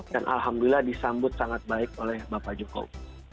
dan alhamdulillah disambut sangat baik oleh bapak jokowi